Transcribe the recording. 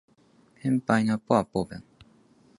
ペンパイナッポーアッポーペン